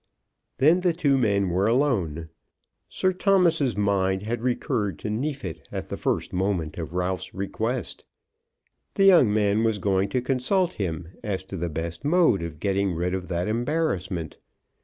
Then the two men were alone. Sir Thomas's mind had recurred to Neefit at the first moment of Ralph's request. The young man was going to consult him as to the best mode of getting rid of that embarrassment.